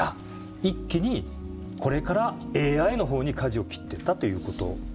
一気にこれからＡＩの方にかじを切っていったということ。